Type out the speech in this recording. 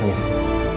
yang ini sih